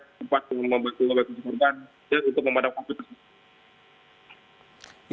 yang sempat membantu mengambil korban dan untuk memandang fokusi